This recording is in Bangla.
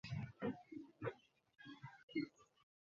তিনি ও তাঁর পরিবার সরকার কর্তৃক নির্যাতনের শিকার হয়েছিলেন।